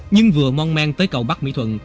nhưng vừa mon men tới cầu bắc mỹ thuận